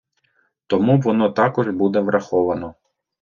Тому воно також буде враховано.